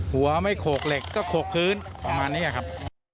หัวไม่โขกเหล็กก็โขกพื้นประมาณนี้ครับ